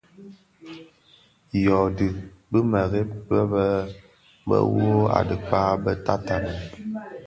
Yodhi, bi mereb be be, wuo a dhikpa, bè tatanèn,